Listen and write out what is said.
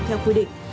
theo quy định